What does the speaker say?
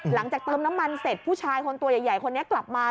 หลังจากเติมน้ำมันเสร็จผู้ชายคนตัวใหญ่คนนี้กลับมา